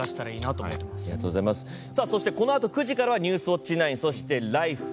ということでこのあと９時からは「ニュースウオッチ９」そして「ＬＩＦＥ！」